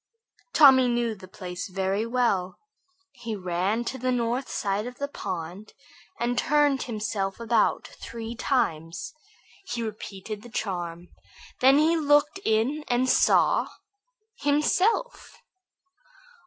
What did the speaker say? Tommy knew the place very well. He ran to the north side of the pond, and turning himself around three times, he repeated the charm. Then he looked in and saw himself.